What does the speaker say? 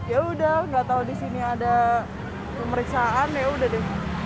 ya udah nggak tahu di sini ada pemeriksaan yaudah deh